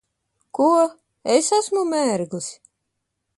Ko? Es esmu mērglis?